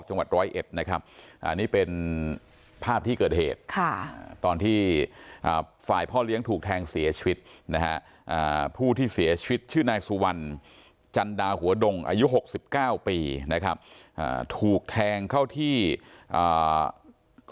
จันดาหัวดงอายุหกสิบเก้าปีนะครับอ่าถูกแทงเข้าที่อ่า